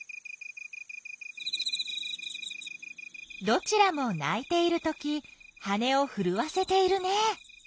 どちらも鳴いているとき羽をふるわせているね。